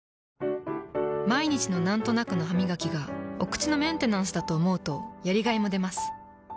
毎日のなんとなくのハミガキがお口のメンテナンスだと思うとやりがいもでます。